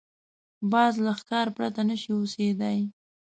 باز له ښکار پرته نه شي اوسېدای